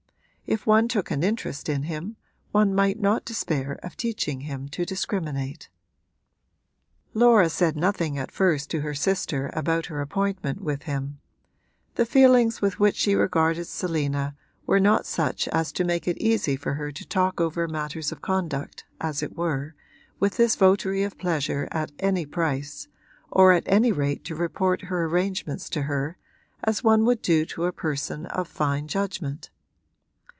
If one took an interest in him one might not despair of teaching him to discriminate. Laura said nothing at first to her sister about her appointment with him: the feelings with which she regarded Selina were not such as to make it easy for her to talk over matters of conduct, as it were, with this votary of pleasure at any price, or at any rate to report her arrangements to her as one would do to a person of fine judgment.